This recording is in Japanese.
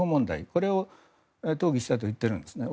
これを討議したと言っているんですね。